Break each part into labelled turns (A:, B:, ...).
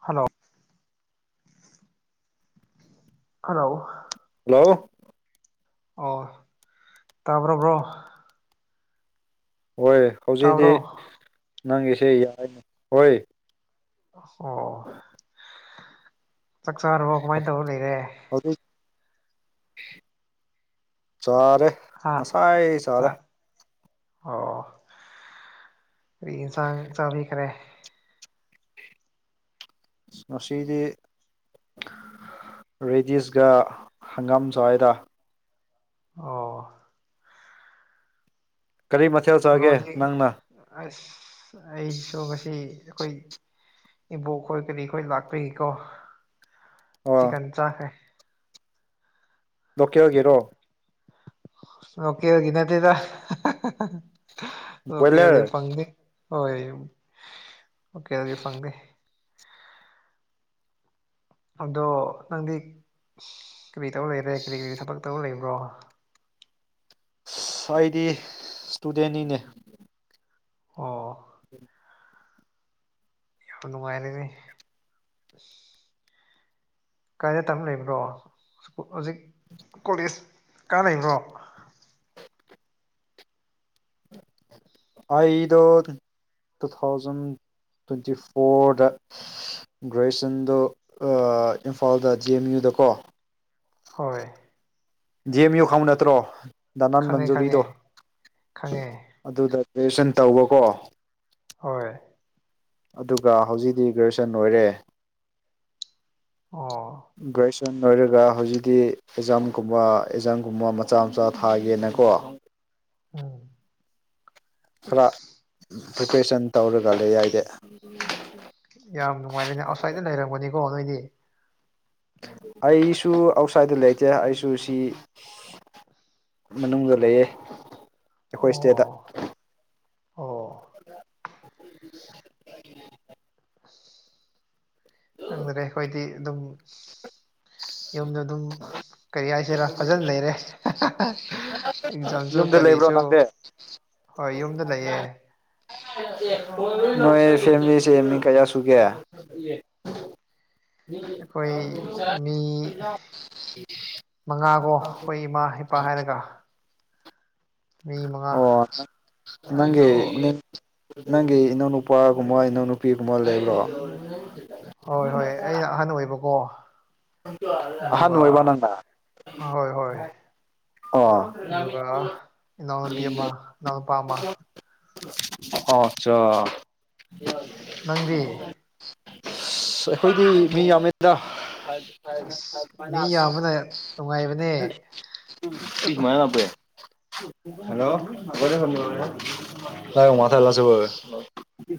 A: hello hello
B: hello
A: ꯑꯣ ꯇꯥꯕ꯭ꯔꯣꯕ꯭ꯔꯣ
B: ꯍꯣꯏ ꯍꯧꯖꯤꯛꯤ
A: ꯇꯥꯕ꯭ꯔꯣ
B: ꯅꯪꯒꯤꯁꯦ ꯌꯥꯔꯤꯅꯤ ꯍꯣꯏ
A: ꯑꯣ ꯆꯥꯛ ꯆꯥꯔꯣ ꯀꯃꯥꯏꯅ ꯇꯧꯔ ꯂꯩꯔꯦ
B: ꯑꯗꯨ ꯆꯔ
A: ꯍꯥꯥ ꯆ ꯑꯣ ꯀ ꯏꯟꯁꯥꯡ ꯆꯥꯕꯤꯈꯔꯦ
B: ꯃꯁꯤꯍꯤꯗ ꯔꯦꯗꯤꯁꯒ ꯍꯪꯒꯥꯝ ꯁ꯭ꯋꯥꯏꯗ
A: ꯑꯣ
B: ꯀꯔꯤ ꯃꯊ
A: ꯔꯣꯗꯤ ꯑꯁ ꯑꯩꯁꯨ ꯉꯁꯤ ꯑꯩꯈꯣꯏ ꯏꯕꯣꯛ ꯈꯣꯏ ꯀꯔꯤ ꯑꯩꯈꯣꯏ ꯂꯥꯛꯄꯤꯒꯤꯀꯣ
B: ꯑꯣ
A: ꯆꯤꯀꯟ ꯆꯦ
B: ꯂꯣꯀꯦ ꯑꯣꯏꯒꯦꯔꯣ
A: ꯂꯀꯦꯟꯒꯤ ꯅꯦꯠꯇꯗ
B: ꯕꯣꯏꯂꯔ
A: ꯂꯀꯦꯟꯒꯤ ꯐꯪꯗꯤ ꯍꯣꯏ ꯂꯣꯀꯦꯟ ꯒꯤ ꯐꯪꯗꯦ ꯑꯗꯣ ꯅꯪꯗꯤ ꯀꯔꯤꯔꯤ ꯇꯧ ꯂꯩꯔꯦ ꯀꯔꯤ ꯀꯔꯤ ꯊꯕꯛ ꯇꯧ ꯂꯩꯕ꯭ꯔꯣ
B: ꯑꯁ ꯑꯩꯗꯤ ꯏꯁꯇꯨꯗꯦꯟꯅꯤꯅꯦ
A: ꯑꯣ
B: ꯎꯝ
A: ꯅꯨꯡꯉꯥꯏꯔꯦꯍꯦ ꯀꯥꯏꯗ ꯇꯝꯕ ꯂꯩꯕ꯭ꯔꯣ ꯍꯧꯖꯤꯛ ꯀꯣꯂꯦꯖ ꯀꯥꯟ ꯂꯩꯕ꯭ꯔꯣ
B: ꯑꯩꯗꯣ ꯇꯨ ꯊꯥꯎꯖꯟ ꯇ꯭ꯋꯦꯟꯇꯤ ꯐꯣꯔꯗ ꯒ꯭ꯔꯦꯖꯨꯋꯌꯦꯁꯟꯗꯣ ꯏꯝꯐꯥꯜꯗ ꯖꯤ ꯑꯦꯝ ꯌꯨꯗ ꯀꯣ
A: ꯍꯣꯏ
B: ꯖꯤ ꯑꯦꯝ ꯌꯨ ꯈꯪ ꯅꯠꯇ꯭ꯔꯣ ꯅꯅꯥꯟ
A: ꯈꯪꯉꯦ ꯈꯪꯉꯦ
B: ꯃꯟꯖꯨꯔꯤꯗꯣ
A: ꯈꯪꯉꯦ
B: ꯑꯗꯨꯗ ꯒ꯭ꯔꯦꯖꯌꯦꯁꯟ ꯇꯧꯕꯀꯣ
A: ꯍꯣꯏ
B: ꯑꯗꯨꯒ ꯍꯧꯖꯤꯛꯇꯤ ꯒ꯭ꯔꯦꯖꯨꯁꯟ ꯑꯣꯏꯔꯦ
A: ꯑꯣ
B: ꯒ꯭ꯔꯦꯖꯨꯌꯦꯁꯟ ꯂꯣꯏꯔꯒ ꯍꯧꯖꯤꯛꯇꯤ ꯑꯦꯛꯖꯥꯝꯒꯨꯝꯕ ꯑꯦꯛꯖꯥꯝꯒꯨꯝꯕ ꯃꯆꯥ ꯃꯆꯥ ꯊꯥꯒꯦꯅꯀꯣ
A: ꯎꯝ
B: ꯈꯔ
A: ꯑꯁ
B: ꯄ꯭ꯔꯤꯄꯦꯔꯦꯁꯟ ꯇꯧꯔꯒ ꯂꯩꯌꯦ ꯑꯩꯗꯤ
A: ꯌꯥꯝ ꯅꯨꯡꯉꯥꯏꯔꯦꯅꯦ ꯑꯁ꯭ꯋꯥꯏꯗ ꯂꯩꯔꯝꯒꯅꯤꯀꯣ ꯅꯣꯏꯗꯤ
B: ꯑꯩꯁꯨ ꯑꯥꯎꯠꯁꯥꯏꯠꯇ ꯂꯩꯇꯦ ꯑꯩꯁꯨ ꯁꯤ ꯃꯅꯨꯡꯗ ꯂꯩꯌꯦ ꯑꯩꯈꯣꯏ ꯏꯁꯇꯦꯠꯇ
A: ꯑꯣ ꯑꯣ
B: [inaudible]
A: ꯈꯪꯗꯔꯦ ꯑꯩꯈꯣꯏꯗꯤ ꯑꯗꯨꯝ ꯌꯨꯝꯗ ꯑꯗꯨꯝ ꯀꯩ ꯍꯥꯏꯁꯤꯔꯥ ꯐꯖꯅ ꯂꯩꯔꯦ ꯑꯦꯛꯖꯥꯝꯁꯨ
B: ꯌꯨꯝꯗ ꯂꯩꯕ꯭ꯔꯣ
A: ꯀꯔꯤꯁꯨ
B: ꯅꯪꯗꯤ
A: ꯍꯣꯏ ꯌꯨꯝꯗ ꯂꯩꯌꯦ
B: ꯅꯣꯏ
A: ꯑꯗꯨꯝ
B: ꯐꯦꯃꯤꯂꯤꯁꯦ ꯃꯤ ꯀꯌꯥ ꯁꯨꯒꯦ
A: ꯑꯩꯈꯣꯏ ꯃꯤ ꯃꯉꯥꯒꯣ ꯑꯩꯈꯣꯏ ꯏꯃꯥ ꯄꯥ ꯍꯥꯏꯔꯒ ꯃꯤ ꯃꯉꯥ
B: ꯑꯣ ꯅꯪꯒꯤ
A: ꯑꯗꯣ
B: ꯅꯪꯒꯤ ꯏꯅꯧ ꯅꯨꯨꯄꯥꯒꯨꯝꯕ ꯏꯅꯧ ꯅꯨꯨꯄꯤꯒꯨꯝꯕ ꯂꯩꯕꯔꯣ
A: ꯍꯣꯏ ꯍꯣꯏ ꯑꯩꯅ ꯑꯍꯟ ꯑꯣꯏꯕꯀꯣ
B: ꯑꯍꯟ
A: ꯑꯗꯨꯒ
B: ꯑꯣꯏꯕ ꯅꯪꯅ
A: ꯍꯣꯏ ꯍꯣꯏ
B: ꯑꯣ
A: ꯑꯗꯨꯒ ꯏꯅꯥꯎꯅꯨꯄꯤ ꯑꯃ ꯏꯅꯥꯎꯅꯨꯄꯥ ꯑꯃ
B: ꯑꯆꯥ
A: ꯅꯪꯗꯤ
B: ꯑꯁ ꯑꯩꯈꯣꯏꯗꯤ ꯃꯤ ꯌꯥꯝꯃꯤꯗ
A: ꯑꯁ ꯃꯤ ꯌꯥꯝꯕꯅ ꯅꯨꯡꯉꯥꯏꯕꯅꯦ
B: ꯁꯨꯃꯅꯄꯦ ꯍꯜꯂꯣ ꯀꯔ ꯐꯦ [inaudible] ꯍ ꯃꯊꯥꯏꯂꯥꯁꯕ [inaudible]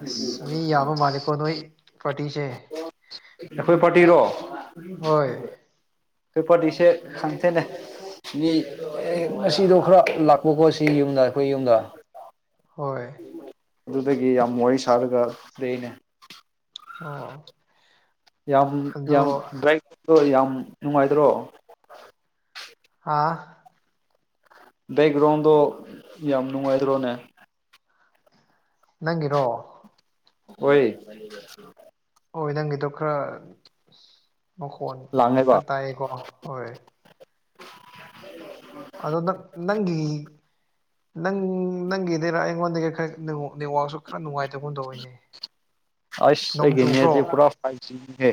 A: ꯑꯁ ꯃꯤ ꯌꯥꯕ ꯃꯥꯂꯤꯀꯣ ꯅꯣꯏ ꯕꯥꯔꯇꯤꯁꯦ
B: ꯑꯩꯈꯣꯏ ꯄꯥꯔꯇꯤꯔꯣ
A: ꯍꯣꯏ
B: ꯑꯩꯈꯣꯏ ꯄꯥꯔꯇꯤꯁꯦ ꯈꯪꯇꯦꯅꯦ ꯉꯁꯤꯗꯣ ꯈꯔ ꯂꯥꯛꯄꯀꯣ ꯁꯤ ꯌꯨꯝꯗ ꯑꯩꯈꯣꯏ ꯌꯨꯝꯗ
A: ꯍꯣꯏ
B: ꯑꯗꯨꯗꯒꯤ ꯌꯥꯝ ꯋꯥꯔꯤ ꯁꯥꯔꯒ ꯂꯩꯅꯦ
A: ꯑꯣ
B: ꯌꯥꯝ
A: ꯑꯗꯣ
B: ꯌꯥꯝ ꯗ꯭ꯔꯥꯏꯣ ꯌꯥꯝ ꯅꯨꯡꯉꯥꯏꯗ꯭ꯔꯣ
A: ꯍꯥꯥ
B: ꯕꯦꯛꯒ꯭ꯔꯥꯎꯟꯗꯣ ꯌꯥꯝ ꯅꯨꯡꯉꯥꯏꯗ꯭ꯔꯣꯅꯦ
A: ꯅꯪꯒꯤꯔꯣ
B: ꯑꯣꯏꯣꯏ [unintelligible]
A: ꯍꯣꯏ ꯅꯪꯒꯤꯗꯣ ꯈꯔ ꯃꯈꯣꯟ
B: ꯂꯥꯡꯉꯦꯕ
A: ꯈꯔ ꯇꯥꯏꯌꯦꯀꯣ ꯍꯣꯏ ꯑꯗꯣ ꯅ ꯅꯪꯒꯤ ꯅꯪ ꯅꯪꯒꯤꯗꯔ ꯑꯩꯉꯣꯟꯗꯒꯤ ꯈꯅꯤꯉꯥꯛꯁꯨ ꯈꯔ ꯅꯨꯡꯉꯥꯏꯇꯕꯣꯟ ꯇꯧꯏꯅꯦ
B: ꯑꯁ
A: ꯅꯣꯡ
B: ꯑꯩꯒꯤ
A: ꯆꯨꯕ꯭ꯔꯣ
B: ꯅꯦꯠꯇꯤ ꯄꯨꯔꯥ ꯐꯥꯏꯚ ꯖꯤꯅꯤꯍꯦ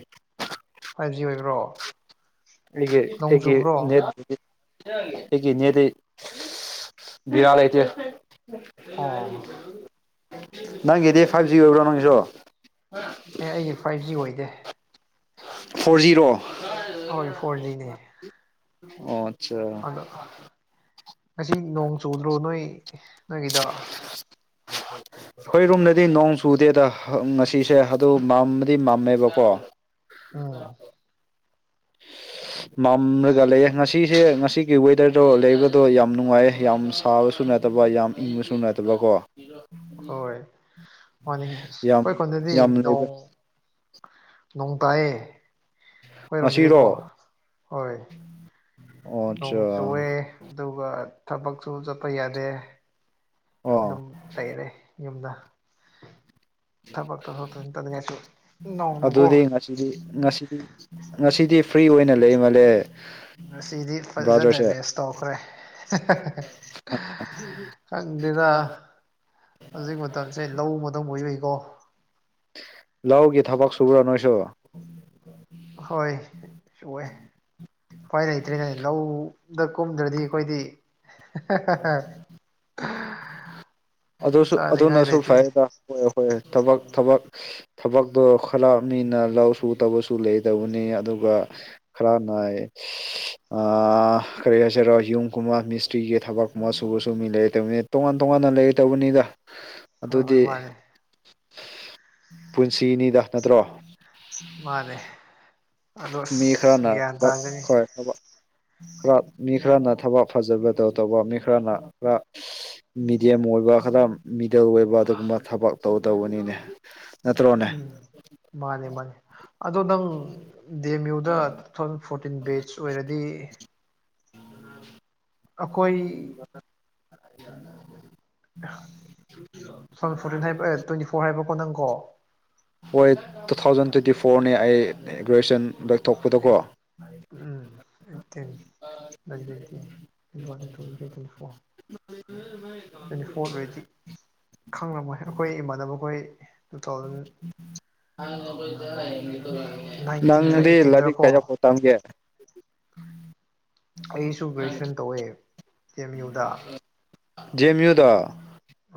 A: ꯐꯥꯏꯚ ꯖꯤ ꯑꯣꯏꯕ꯭ꯔꯣ
B: ꯑꯩꯒ
A: ꯅꯣꯡ
B: ꯇꯒꯤ
A: ꯆꯨꯕ꯭ꯔꯣ
B: [inaudible] ꯅꯦ ꯑꯩꯒꯤ ꯅꯦꯠꯇꯤ ꯕꯦꯔ ꯂꯩꯇꯦ
A: ꯑꯣ
B: ꯅꯪꯒꯤꯗꯤ ꯐꯥꯏꯚ ꯖꯤ ꯑꯣꯏꯕ꯭ꯔꯣ ꯅꯪꯁꯨ
A: ꯑꯦ ꯑꯩꯒꯤ ꯐꯥꯏꯚ ꯖꯤ ꯑꯣꯏꯗꯦ
B: ꯐꯣꯔ ꯖꯤꯔꯣ
A: ꯑꯩꯈꯣꯏ ꯐꯣꯔ ꯖꯤꯅꯦ
B: ꯑꯣ ꯑꯠꯆꯥ
A: ꯑꯗꯣ ꯉꯁꯤ ꯅꯣꯡ ꯆꯨꯗ꯭ꯔꯣ ꯅꯣꯏ ꯅꯣꯏꯒꯤꯗꯣ
B: ꯍ ꯍ [inaudible] ꯑꯩꯈꯣꯏ ꯔꯨꯝꯗꯗꯤ ꯅꯣꯡ ꯆꯨꯗꯦꯗ ꯉꯁꯤꯁꯦ ꯑꯗꯨ ꯃꯝꯕꯗꯤ ꯃꯝꯃꯦꯕꯀꯣ
A: ꯑꯥ
B: ꯃꯝ꯭ꯔꯒꯂꯦ ꯍ ꯁꯤꯁꯦ ꯉꯁꯤꯒꯤ ꯋꯦꯗꯔꯗꯣ ꯂꯩꯕꯗꯣ ꯌꯥꯝ ꯅꯨꯡꯉꯥꯏ ꯌꯥꯝ ꯁꯥꯕꯁꯨ ꯅꯠꯇꯕ ꯌꯥꯝ ꯏꯪꯕꯁꯨ ꯅꯠꯇꯕꯀꯣ ꯔ
A: ꯍꯣꯏ ꯃꯥꯅꯤ ꯑꯁ
B: ꯌꯥꯝ
A: ꯑꯩꯈꯣꯏ ꯀꯣꯟꯗꯗꯤ
B: ꯌꯥꯝ ꯂꯩꯕ
A: ꯅꯣꯡ ꯅꯣꯡ ꯇꯥꯏꯌꯦꯦ ꯍꯣꯏ
B: ꯉꯁꯤꯔꯣ
A: ꯔꯣꯟꯗꯤꯗꯤꯀꯣ ꯍꯣꯏ
B: ꯑꯣ
A: ꯅꯣꯡ
B: ꯑꯠꯆꯥ
A: ꯆꯨꯑꯦ ꯑꯗꯨꯒ ꯊꯕꯛꯁꯨ ꯆꯠꯄ ꯌꯥꯗꯦ
B: ꯑꯣ
A: ꯑꯗꯨꯝ ꯂꯩꯔꯦ ꯌꯨꯝꯗ ꯊꯕꯛ ꯇꯧꯊꯣꯛ ꯇꯧꯁꯤꯟ ꯇꯧꯅꯤꯡꯉꯩꯁꯨ ꯅꯧꯅꯀꯣ
B: ꯍꯥꯏꯗꯤ ꯉꯁꯤꯗꯤ ꯉꯁꯤꯗꯤ ꯐ꯭ꯔꯤ ꯑꯣꯏꯅ ꯂꯩꯃꯜꯂꯦ
A: ꯉꯁꯤꯗꯤ ꯐꯖꯅ
B: ꯕ꯭ꯔꯥꯗꯔꯁꯦ
A: ꯔꯦꯁ ꯇꯧꯈ꯭ꯔꯦ ꯈꯪꯗꯦꯅ ꯍꯧꯖꯤꯛ ꯃꯇꯝꯁꯦ ꯂꯧ ꯃꯗꯧꯕ ꯌꯨꯏꯀꯣ
B: ꯂꯧꯒꯤ ꯊꯕꯛ ꯁꯨꯕ꯭ꯔꯥ ꯅꯣꯏꯁꯨ
A: ꯍꯣꯏꯁꯨ ꯑꯣꯏ ꯍꯣꯏ ꯂꯩꯇ꯭ꯦ ꯂꯩ ꯂꯧꯗ ꯀꯨꯝꯗ꯭ꯔꯗꯤ ꯑꯩꯈꯣꯏꯗꯤ ꯎ
B: ꯑꯗꯨꯁꯨ ꯑꯗꯨꯅꯁꯨ ꯐꯩꯦꯗ ꯍ ꯍꯣꯏ ꯊꯕꯛ ꯊꯕꯛ ꯊꯕꯛꯇꯣ ꯈꯔ ꯃꯤꯅ ꯂꯧꯁꯨ ꯇꯧꯕꯁꯨ ꯂꯩꯇꯕꯅꯤ ꯑꯗꯨꯒ ꯈꯔ ꯅꯏ ꯀꯔꯤ ꯍꯥꯏꯁꯤꯔꯣ ꯌꯨꯝꯒꯨꯝꯕ ꯃꯤꯁꯇ꯭ꯔꯤꯒꯤ ꯊꯕꯛꯀꯨꯝꯕ ꯁꯨꯕ ꯁꯨ ꯃꯤ ꯂꯩ ꯇꯕꯅꯤ ꯇꯣꯉꯥꯟ ꯇꯣꯉꯥꯟꯅ ꯂꯩꯒ ꯇꯧꯕꯅꯤꯗ
A: ꯍꯣꯏ
B: ꯑꯗꯨꯗꯤ
A: ꯍꯣꯏ ꯃꯥꯅꯦ
B: ꯄꯨꯟꯁꯤꯅꯤꯗ ꯅꯠꯇ꯭ꯔꯣ
A: ꯃꯥꯅꯦ ꯑꯗꯣ
B: ꯃꯤ
A: ꯑꯁ
B: ꯈꯔꯅ
A: ꯒ꯭ꯌꯥꯟ
B: ꯍꯣꯏ
A: ꯇꯥꯒꯅꯤ
B: ꯊ ꯈꯔ ꯃꯤ ꯈꯔꯅ ꯊꯕꯛ ꯐꯖꯕꯗ ꯇꯧꯕ ꯃꯤ ꯈꯔꯅ ꯈꯔ ꯃꯤꯗꯤꯌꯝ ꯑꯣꯏꯕ ꯈꯔ ꯃꯤꯗꯜ ꯑꯣꯏꯕ ꯑꯗꯨꯒꯨꯝꯕ ꯊꯕꯛ ꯇꯧꯗꯧꯕꯅꯤꯅꯦ ꯅꯠꯇ꯭ꯔꯣꯅꯦ
A: ꯎꯝ ꯃꯥꯅꯤ ꯃꯥꯅꯤ ꯑꯗꯣ ꯅꯪ ꯗ ꯑꯦꯝ ꯌꯨꯗ ꯐꯣꯔꯇꯤꯟ ꯕꯦꯁ ꯑꯣꯏꯔꯗꯤ
B: ꯎꯝ
A: ꯑꯩꯈꯣꯏ
B: [unintelligible]
A: ꯁꯟ ꯐꯣꯔꯇꯤꯟ ꯍꯥꯏꯕ ꯇ꯭ꯋꯦꯟꯇꯤ ꯐꯣꯔ ꯍꯥꯏꯕꯀꯣ ꯅꯪꯀꯣ
B: ꯍꯣꯏ ꯇꯨ ꯊꯥꯎꯖꯟ ꯇ꯭ꯋꯦꯟꯇꯤ ꯐꯣꯔꯅꯦ ꯑꯩ ꯒ꯭ꯔꯦꯖꯨꯋꯦꯁꯟ ꯂꯧꯊꯣꯛꯄꯗꯀꯣ
A: ꯑꯩꯠ ꯎꯝ ꯑꯩꯠꯇꯤꯟ ꯅꯥꯏꯟꯇꯦꯟꯇꯤꯟ ꯇ꯭ꯋꯥꯎꯇ twenty three twenty four twenty four ꯑꯣꯏꯗꯤ ꯈꯪꯔꯝꯃꯣꯏ ꯑꯩꯈꯣꯏ ꯏꯃꯥꯟꯅꯕꯈꯣꯏ ꯇꯨ ꯊꯥꯎꯖꯟ ꯅꯥꯏꯟꯇꯤꯟꯗ
B: ꯅꯪꯗꯤ ꯏꯂꯗꯤ
A: ꯑꯩꯠꯇꯤꯟꯗꯔꯀꯣ
B: ꯀꯖ ꯇꯝꯒꯦ
A: ꯑꯩꯁꯨ ꯒ꯭ꯔꯦꯖꯨꯋꯦꯁꯟ ꯇꯧꯋꯦ ꯀꯤ ꯑꯦꯝ ꯌꯨꯗ
B: ꯗꯦꯝ ꯌꯨꯗ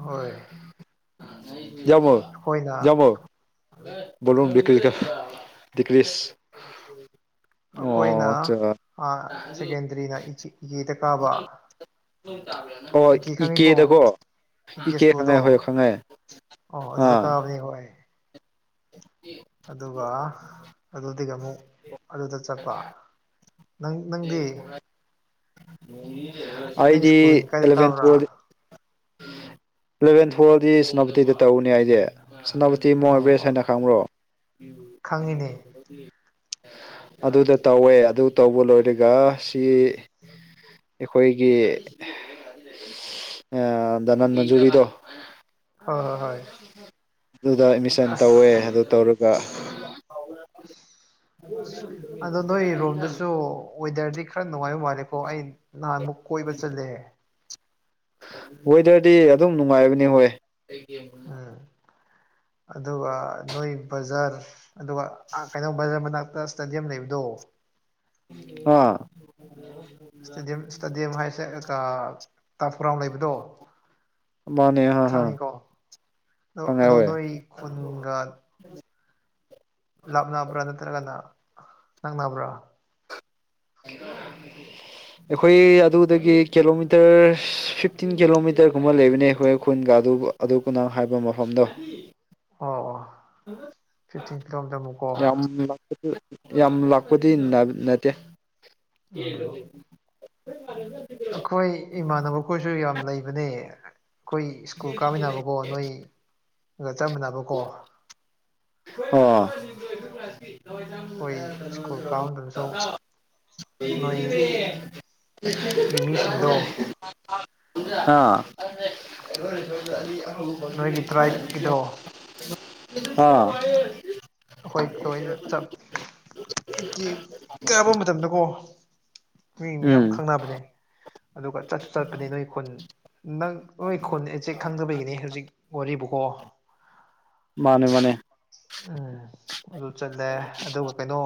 A: ꯍꯣꯏ
B: ꯌꯥꯃꯣ
A: ꯑꯩꯈꯣꯏꯅ
B: ꯌꯥꯃꯣꯨꯝ ꯀ꯭ꯤꯁ ꯀ ꯀꯔꯤꯁ
A: ꯑꯩꯈꯣꯏꯅ ꯁꯦꯀꯦꯟꯗꯔꯤꯅ ꯏꯀꯦꯗ ꯀꯥꯕ
B: ꯑꯣ
A: ꯏꯀꯦ ꯈꯪꯉꯤꯀꯣ
B: ꯏꯀꯦꯗꯀꯣ ꯏ
A: ꯏꯀꯦ
B: ꯀꯦ ꯈꯪꯉꯦ
A: ꯁ꯭ꯀꯨꯜꯗꯣ
B: ꯍꯣꯏꯣ ꯈꯪꯉꯦ
A: ꯑꯣ ꯑꯗꯨꯗ
B: ꯑꯥ
A: ꯀꯥꯕꯅꯤ ꯍꯣꯏ ꯑꯗꯨꯒ ꯑꯗꯨꯗꯒꯤ ꯑꯃꯨꯛ ꯑꯗꯨꯗ ꯆꯠꯄ ꯅꯪ ꯅꯪꯗꯤ ꯅꯪ
B: ꯑꯩꯗꯤ
A: ꯁ꯭ꯀꯨꯜꯂꯤꯡ ꯀꯥꯏꯗ
B: ꯑꯦꯂꯚꯦꯟ
A: ꯀꯥꯕ꯭ꯔꯥ
B: ꯇꯨꯋꯦꯜ ꯏꯂꯚꯦꯟ ꯊꯨꯌꯦꯜꯗꯤ ꯁꯦꯅꯥꯄꯇꯤꯗ ꯇꯧꯅꯦ ꯍꯥꯏꯁꯦ ꯁꯦꯅꯥꯄꯇꯤ
A: ꯑꯣ
B: ꯃꯣꯔꯕꯦꯁ
A: ꯑꯣ
B: ꯍꯥꯏꯅ ꯈꯪꯕ꯭ꯔꯣ
A: ꯈꯪꯉꯤꯅꯦ
B: ꯑꯗꯨꯗ ꯇꯧꯋꯦ ꯑꯗꯨ ꯇꯧꯕ ꯂꯣꯏꯔꯒ ꯁꯤ ꯑꯩꯈꯣꯏꯒꯤ ꯅꯟ ꯃꯟꯖꯨꯔꯤꯗꯣ
A: ꯍꯣꯏ ꯍꯣꯏ ꯍꯣꯏ
B: ꯑꯗꯨꯗ ꯑꯦꯠꯃꯤꯁꯟ ꯇꯧꯋꯦ
A: ꯑꯁ
B: ꯑꯗꯨ ꯇꯧꯔꯒ
A: ꯑꯗꯣ ꯅꯣꯏꯔꯣꯝꯗꯁꯨ ꯁꯣ ꯋꯦꯗꯔꯗꯤ ꯈꯔ ꯅꯨꯡꯉꯥꯏꯕ ꯃꯥꯜꯂꯦꯀꯣ ꯑꯩ ꯅꯍꯥꯟꯃꯨꯛ ꯀꯣꯏꯕ ꯆꯠꯂꯦ
B: ꯋꯦꯗꯔꯗꯤ ꯑꯗꯨꯝ ꯅꯨꯡꯉꯥꯏꯕꯅꯤ ꯍꯣꯏ
A: ꯎꯝ ꯑꯗꯨꯒ ꯅꯣꯏ ꯕꯖꯥꯔ ꯑꯗꯨꯒ ꯀꯩꯅꯣ ꯕ ꯃꯅꯥꯛꯇ ꯏꯁ꯭ꯇꯦꯗꯤꯌꯝ ꯂꯩꯕꯗꯣ
B: ꯑꯥ
A: ꯏꯁꯇꯦꯗꯤꯌꯝ ꯏꯁꯇꯦꯗꯤꯌꯝ ꯍꯥꯏꯁꯦ ꯇꯥꯐꯨꯔꯥꯝ ꯂꯩꯕꯗꯣ
B: ꯃꯥꯅꯦ ꯍꯥ ꯍꯥ
A: ꯈꯪꯉꯤꯀꯣ ꯑꯗꯣ
B: ꯈꯪꯉꯦ
A: ꯑꯗꯣ
B: ꯍꯣꯏ
A: ꯅꯣꯏ ꯈꯨꯟꯒ ꯂꯥꯞꯅꯕ꯭ꯔꯥ ꯅꯠꯇ꯭ꯔꯒꯅ ꯅꯪꯅꯕ꯭ꯔꯥ
B: [inaudible]
A: [inaudible]
B: ꯑꯩꯈꯣꯏ ꯑꯗꯨꯗꯒꯤ ꯀꯤꯂꯣꯃꯤꯇꯔ ꯐꯤꯐꯇꯤꯟ ꯀꯤꯂꯣꯃꯤꯇꯔꯒꯨꯝꯕ ꯂꯩꯕꯅꯦ ꯑꯩꯈꯣꯏ ꯈꯨꯟꯒ ꯑꯗꯨ ꯑꯗꯨꯀ ꯅꯪ ꯍꯥꯏꯕ ꯃꯐꯝꯗꯣ
A: ꯑꯣ ꯑꯣ ꯐꯤꯐꯇꯤꯟ ꯀꯤꯂꯣꯃꯤꯇꯔꯃꯨꯛꯀꯣ
B: ꯌꯥꯝꯄ ꯌꯥꯝ ꯂꯥꯛꯄꯗꯤ ꯅꯠꯇꯦ
A: ꯑ ꯑꯩꯈꯣꯏ ꯏꯃꯥꯟꯅꯕꯈꯣꯏꯁꯨ ꯌꯥꯝ ꯂꯩꯕꯅꯦ ꯑꯩꯈꯣꯏ ꯁ꯭ꯀꯨꯜ ꯀꯥꯃꯤꯟꯅꯕꯀꯣ ꯅꯣꯏꯒ ꯆꯃꯤꯟꯅꯕꯀꯣ
B: ꯑꯣ
A: ꯍꯣꯏ ꯁ꯭ꯀꯨꯜ ꯀꯥꯎꯟꯗꯨꯅꯁꯨꯣ ꯃꯤꯁꯤꯡꯗꯣ
B: [unintelligible] ꯑꯥ
A: ꯅꯣꯏꯒꯤ ꯇ꯭ꯔꯥꯏꯠꯀꯤꯗꯣ
B: ꯑ
A: ꯑꯩꯈꯣꯏ ꯀꯅ ꯀꯌꯥꯕ ꯃꯇꯝꯗ ꯀꯣ ꯃꯤ ꯌꯥꯝ
B: ꯎꯝ
A: ꯈꯪꯅꯕꯅꯦ ꯑꯗꯨꯒ ꯆꯠꯁꯨ ꯆꯠꯄꯅꯤ ꯅꯣꯏ ꯈꯨꯟ ꯅꯪ ꯍꯣꯏ ꯈꯨꯆꯦꯛ ꯈꯪꯗꯕꯒꯤꯅꯤ ꯍꯧꯖꯤꯛ ꯋꯥꯔꯤꯕꯀꯣ
B: ꯃꯥꯅꯦ ꯃꯥꯅꯦ
A: ꯎꯝ ꯑꯗꯨ ꯆꯠꯂꯦ ꯑꯗꯨꯒ ꯀꯩꯅꯣ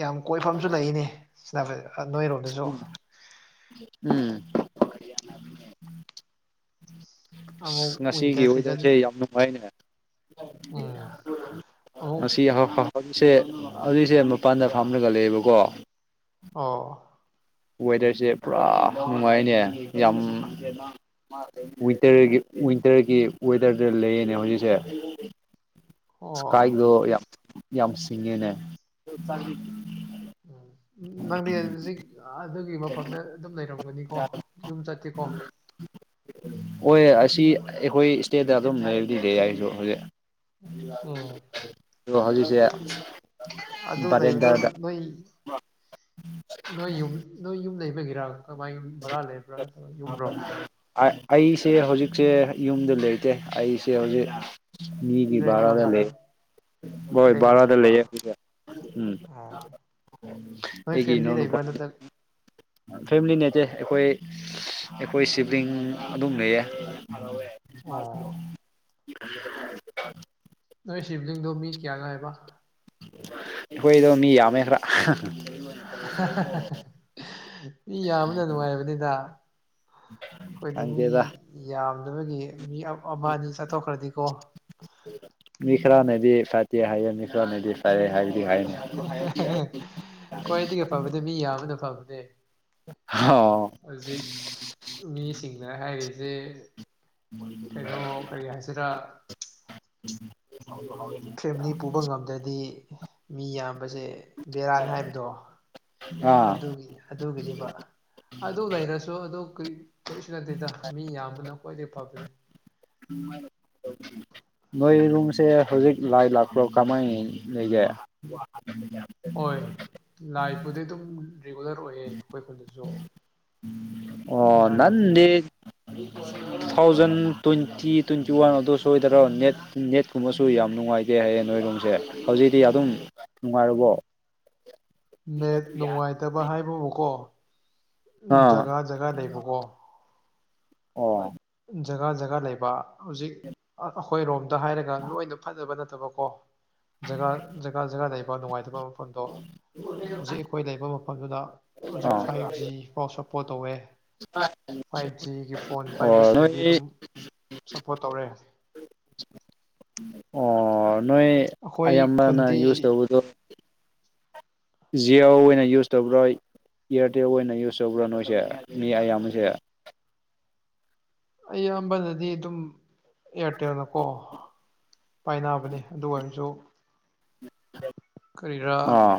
A: ꯌꯥꯝ ꯀꯣꯏꯐꯝꯁꯨ ꯂꯩꯅꯤ [unintelligible]
B: ꯎꯝ ꯎꯝ
A: ꯑꯃꯨꯛ
B: ꯑꯁ ꯉꯁꯤꯒꯤ
A: ꯋꯤꯟꯇꯔ ꯁꯤꯖꯟ
B: ꯋꯦꯗꯔꯁꯦ ꯌꯥꯝ ꯅꯨꯡꯉꯥꯏꯅꯦ
A: ꯎꯝ ꯑꯃꯨꯛ
B: ꯃꯁꯤꯁꯤ ꯑꯍꯣ ꯄꯠꯁꯦ ꯑꯗꯨꯏꯁꯦ ꯃꯄꯥꯟꯗ ꯐꯥꯝꯂꯒ ꯂꯩꯌꯦꯕꯀꯣ
A: ꯑꯣ
B: ꯋꯦꯗꯔꯁꯦ ꯄꯨꯔꯥ ꯅꯨꯡꯉꯥꯏꯅꯦ ꯌꯥꯝ ꯋꯤꯟꯇꯔꯒꯤ ꯋꯤꯟꯇꯔꯒꯤ ꯋꯦꯗꯔꯗ ꯂꯩꯌꯦꯅꯦ ꯍꯧꯖꯤꯛꯁꯦ
A: ꯑꯣ
B: ꯁꯀꯥꯏꯗꯣ ꯌꯥꯝ ꯌꯥꯝ ꯁꯤꯡꯉꯦꯅꯦ
A: ꯎꯝ ꯅꯪꯗꯤ ꯍꯧꯖꯤꯛ ꯑꯗꯨꯒꯤ ꯃꯐꯝꯗ ꯑꯗꯨꯝ ꯂꯩꯔꯝꯒꯅꯤꯀꯣ ꯌꯨꯝ ꯆꯠꯇꯦꯀꯣ
B: ꯍꯣꯏ ꯑꯁꯤ ꯑꯩꯈꯣꯏ ꯏꯁꯇꯦꯠꯇ ꯑꯗꯨꯝ ꯂꯩꯗꯤꯗꯦ ꯌꯥꯏꯁꯨ ꯍꯧꯖꯤꯛ
A: ꯎꯝ
B: ꯑꯣ ꯍꯧꯖꯤꯁꯦ
A: ꯑꯗꯨ ꯂꯩꯕꯗꯣ ꯅꯣꯏ ꯅꯣꯏ ꯌꯨꯝ ꯅꯣꯏ ꯌꯨꯝ ꯂꯩꯕꯒꯤꯔꯥ ꯀꯃꯥꯏꯨꯝ ꯕꯣꯔꯥ ꯂꯩꯕ꯭ꯔꯥ ꯅꯠꯇ ꯌꯨꯝꯕꯣ
B: ꯑꯩꯁꯦ ꯍꯧꯖꯤꯛꯁꯦ ꯌꯨꯝꯗ ꯂꯩꯇꯦ ꯑꯩꯁꯦ ꯍꯧꯖꯤꯛ ꯃꯤꯒꯤ
A: ꯔꯦꯟ ꯑꯣꯏꯅ
B: ꯔꯗ
A: ꯂꯩꯕ꯭ꯔꯥ
B: ꯂꯩ ꯍꯣꯏ
A: ꯔꯦꯟ ꯑꯣꯏꯅ
B: ꯔꯥꯗ
A: ꯂꯩꯕ
B: ꯂꯩ ꯎꯝ
A: ꯑꯣ ꯅꯣꯏ ꯐꯦꯃꯤꯂꯤ
B: ꯑꯦꯒꯤꯅꯧꯄ
A: ꯂꯩꯕ꯭ꯔꯥ ꯅꯠꯇ꯭ꯔꯒ
B: ꯐꯦꯃꯤꯂꯤ ꯅꯠꯇꯦ ꯑꯩꯈꯣꯏ ꯑꯩꯈꯣꯏ ꯁꯤꯕꯂꯤꯡ ꯑꯗꯨꯝ ꯂꯩꯌꯦ ꯀ꯭ꯔꯤꯃꯁ
A: ꯑꯣ
B: ꯗ
A: ꯅꯣꯏ ꯁꯤꯕꯂꯤꯡꯗꯣ ꯃꯤ ꯀꯌꯥ ꯉꯥꯏꯕ
B: ꯑꯩꯈꯣꯏꯗꯣ ꯃꯤ ꯌꯥꯝꯃꯦ ꯈꯔ [unintelligible]
A: ꯃꯤ ꯌꯥꯝꯕꯅ ꯅꯨꯡꯉꯥꯏꯕꯅꯤꯗ ꯑꯩꯈꯣꯏꯗꯤ ꯃꯤ
B: ꯈꯪꯗꯦꯗ
A: ꯌꯥꯝꯗꯕꯒꯤ ꯃꯤ ꯑꯃ ꯑꯅꯤ ꯆꯠꯊꯣꯛꯈ꯭ꯔꯗꯤꯀꯣ
B: ꯃꯤꯈ꯭ꯔꯥ ꯅꯗꯤ ꯐꯇ ꯍꯥꯏ ꯃꯤꯈ꯭ꯔꯥꯅꯦꯗꯤ ꯇꯦ ꯍꯥꯏ ꯍꯥꯏꯌꯥꯝ ꯍꯥꯏ ꯍꯥꯏ
A: ꯈ꯭ꯋꯥꯏꯗꯒꯤ ꯐꯕꯗꯤ ꯃꯤ ꯌꯥꯝꯕꯅ ꯐꯕꯅꯦ
B: ꯍ
A: ꯍꯧꯖꯤꯛ ꯃꯤꯁꯤꯡꯅ ꯍꯥꯏꯔꯤꯁꯦ ꯀꯩꯅꯣ ꯀꯔꯤ ꯍꯥꯏꯁꯤꯔꯥ ꯐꯦꯃꯤꯂꯤ ꯄꯨꯕ ꯉꯝꯗ꯭ꯔꯗꯤ ꯃꯤ ꯌꯥꯝꯕꯁꯦ ꯕꯦꯔꯥꯟ ꯍꯥꯏꯕꯗꯣ
B: ꯑꯥ
A: ꯑꯗꯨꯒꯤ ꯑꯗꯨꯒꯤꯅꯦꯕ ꯑꯗꯨ ꯂꯩꯔꯁꯨ ꯑꯗꯨ ꯀ ꯀꯔꯤꯁꯨ ꯅꯠꯇꯦꯗ ꯃꯤ ꯌꯥꯝꯕꯅ ꯈ꯭ꯋꯥꯏꯗꯒꯤ ꯐꯕꯗꯤ
B: ꯎꯝ ꯅꯣꯏ ꯔꯨꯝꯁꯦ ꯍꯧꯖꯤꯛ ꯂꯥꯏ ꯂꯥꯛꯄ꯭ꯔꯣ ꯀꯃꯥꯏ ꯂꯩꯒꯦ [unintelligible]
A: ꯍꯣꯏ ꯂꯥꯛꯄꯨꯗꯤꯩ ꯑꯗꯨꯝ ꯔꯤꯒꯨꯂꯔ ꯑꯣꯏꯌꯦ ꯑꯩꯈꯣꯏ ꯈꯨꯜꯗꯁꯨ
B: ꯑꯣ ꯅꯟꯦ two thousand twenty twenty one ꯑꯗꯨ ꯁꯣꯏꯗꯔꯣ ꯅꯦꯠ ꯅꯦꯠꯀꯨꯝꯕꯁꯨ ꯌꯥꯝ ꯅꯨꯡꯉꯥꯏꯇ ꯍꯦ ꯍꯥꯏꯌꯦ ꯅꯣꯏꯔꯣꯝꯁꯦ ꯍꯧꯖꯤꯛꯇꯤ ꯑꯗꯨꯝ ꯅꯨꯡꯉꯥꯏꯨꯔꯕꯣ
A: ꯅꯦꯠ ꯅꯨꯡꯉꯥꯏꯇꯕ ꯍꯥꯏꯕꯕꯨꯀꯣ
B: ꯑꯥ
A: ꯖꯒꯥ ꯖꯒꯥ ꯂꯩꯕꯀꯣ
B: ꯑꯣ
A: ꯖꯒꯥ ꯖꯒꯥ ꯂꯩꯕ ꯍꯧꯖꯤꯛ ꯑꯁ ꯑꯩꯈꯣꯏꯔꯣꯝꯗ ꯍꯥꯏꯔꯒ ꯂꯣꯏꯅ ꯐꯖꯕ ꯅꯠꯇꯕ ꯀꯣ ꯖꯒꯥ ꯖꯒꯥ ꯖꯒꯥ ꯂꯩꯕ ꯅꯨꯡꯉꯥꯏꯇꯕ ꯐꯣꯟꯗꯣ ꯍꯧꯖꯤꯛ ꯑꯩꯈꯣꯏ ꯂꯩꯕ ꯃꯐꯝꯗꯨꯗ ꯍꯧꯖꯤꯛ
B: ꯑꯥ
A: ꯐꯥꯏꯚ ꯖꯤ ꯄꯥꯎ ꯑꯄ ꯇꯧꯋꯦ ꯐꯥꯏꯚ ꯖꯤꯒꯤ ꯐꯣꯟ
B: ꯑꯣ
A: ꯄꯥꯏꯕꯁꯤꯡꯗꯤ
B: ꯅꯣꯏ
A: ꯑꯗꯨꯝ ꯁꯞꯄꯣꯔꯠ ꯇꯧꯔꯦ
B: ꯑꯣ ꯅꯣꯏ
A: ꯑꯩꯈꯣꯏ
B: ꯑꯌꯥꯝꯕꯅ
A: ꯈꯨꯟꯗꯤ
B: ꯌꯨꯁ ꯇꯧꯕꯗꯣ
A: [unintelligible]
B: ꯖꯤꯑꯣ ꯑꯣꯏꯅ ꯌꯨꯁ ꯇꯔ꯭ꯔꯣꯏ ꯏꯌꯥꯔꯇꯦꯜ ꯑꯣꯏꯅ ꯌꯨꯁ ꯇꯧꯕ꯭ꯔꯥ ꯅꯣꯏꯁꯦ ꯃꯤ ꯑꯌꯥꯝꯕꯁꯦ
A: ꯑꯌꯥꯝꯕꯅꯗꯤ ꯑꯗꯨꯝ ꯑꯦꯌꯥꯔꯇꯦꯜꯅꯀꯣ ꯄꯥꯏꯅꯕꯅꯤ ꯑꯗꯨ ꯑꯣꯏꯔꯁꯨ ꯀꯔꯤꯔꯥ
B: ꯑꯥ